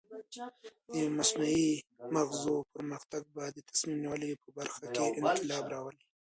د مصنوعي مغزو پرمختګ به د تصمیم نیولو په برخه کې انقلاب راولي.